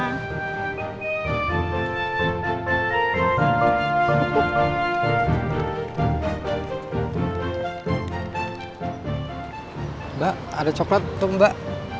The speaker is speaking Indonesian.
mbak ada coklat tuh mbak